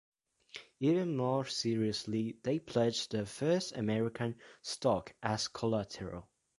Even more seriously, they pledged their First American stock as collateral.